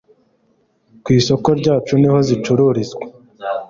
Ku isoko ryacu niho zicururizwa